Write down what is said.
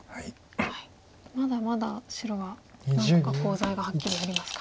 まだまだ白は何個かコウ材がはっきりありますか。